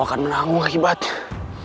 kau akan menanggung akibatnya